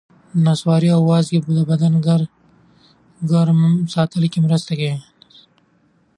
نسواري وازګې د بدن ګرم ساتلو کې مرسته کوي.